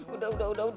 udah udah udah